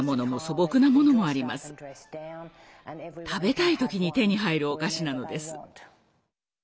食べたい時に手に入るお菓子なのです。